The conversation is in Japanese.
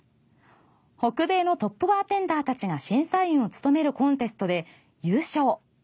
北米のトップバーテンダーたちが審査員を務めるコンテストで優勝。